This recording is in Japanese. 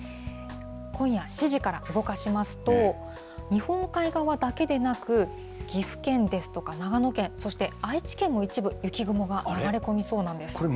今夜７時から動かしますと、日本海側だけでなく、岐阜県ですとか、長野県、そして愛知県の一部、雪雲が流れ込みそうなんです。